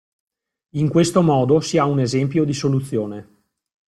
In questo modo si ha un esempio di soluzione.